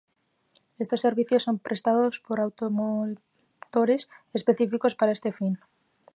Estos servicios son prestados por automotores específicos para este fin.